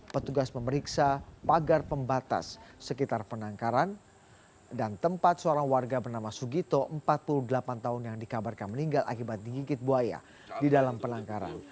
petugas memeriksa pagar pembatas sekitar penangkaran dan tempat seorang warga bernama sugito empat puluh delapan tahun yang dikabarkan meninggal akibat digigit buaya di dalam penangkaran